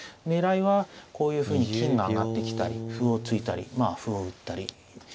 狙いはこういうふうに金が上がってきたり歩を突いたりまあ歩を打ったり。